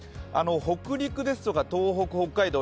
北陸ですとか東北、北海道